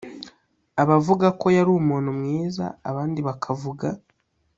abavuga ko yari umuntu mwiza abandi bakavuga